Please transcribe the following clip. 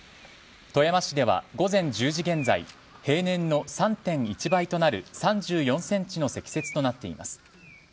富山市では午前１０時現在平年の３．１倍となる３４ｃｍの積雪となっています。